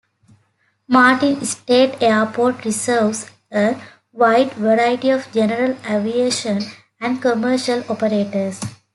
Martin State Airport serves a wide variety of general aviation and commercial operators.